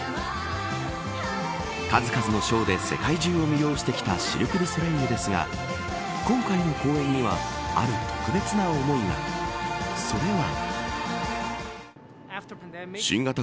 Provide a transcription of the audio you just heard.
数々のショーで世界中を魅了してきたシルク・ドゥ・ソレイユですが今回の公演にはある特別な思いがそれは。